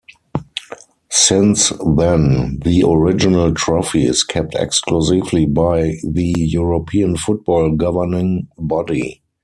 Since then, the original trophy is kept exclusively by the European football governing body.